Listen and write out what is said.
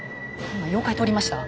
今妖怪通りました？